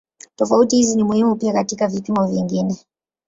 Tofauti hizi ni muhimu pia katika vipimo vingine.